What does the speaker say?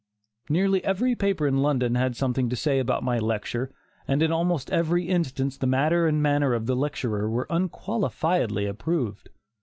Nearly every paper in London had something to say about my lecture, and in almost every instance the matter and manner of the lecturer were unqualifiedly approved.